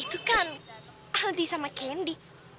itu kan aldi sama candy